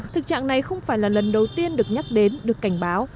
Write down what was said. thực trạng này không phải là lần đầu tiên được nhắc đến được cảnh báo